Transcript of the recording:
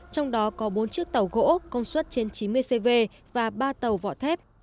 trong đó có bốn chiếc tàu gỗ công suất trên chín mươi cv và ba tàu vỏ thép